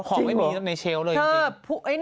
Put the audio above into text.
คองมีทั้งในเชลล์เลยอ่ะจริงจริงจริงหรอ